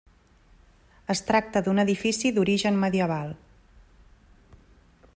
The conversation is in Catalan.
Es tracta d'un edifici d'origen medieval.